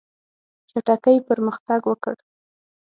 چټکي پرمختګ وکړ.